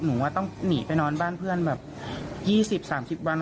หนูว่าต้องหนีไปนอนบ้านเพื่อนแบบ๒๐๓๐วัน